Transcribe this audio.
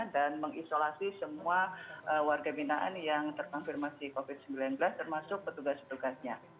dan mengisolasi semua warga binaan yang tersangkir masih covid sembilan belas termasuk petugas petugasnya